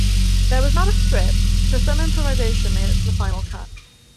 There was not a script, so some improvisation made it to the final cut.